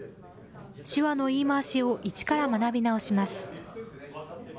手話の言い回しを一から学び直します。